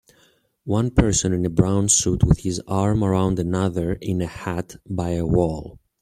One person in a brown suit with his arm around another in a hat by a wall.